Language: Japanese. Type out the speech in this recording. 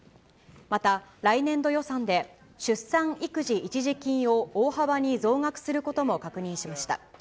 また、来年度予算で、出産育児一時金を大幅に増額することも確認しました。